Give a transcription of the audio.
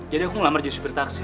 jadi aku ngelamar jadi supir taksi